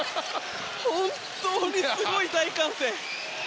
本当にすごい大歓声。